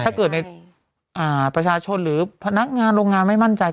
ถ้าเกิดในประชาชนหรือพนักงานโรงงานไม่มั่นใจ